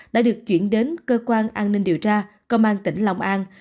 đã được chuyển đến cơ quan an ninh điều tra công an tỉnh long an